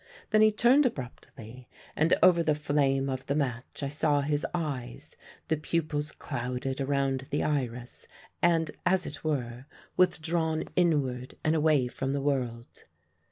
Then he turned abruptly, and over the flame of the match I saw his eyes, the pupils clouded around the iris and, as it were, withdrawn inward and away from the world.